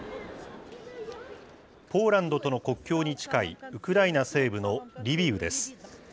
ポーランドとの国境に近い、ウクライナ西部のリビウです。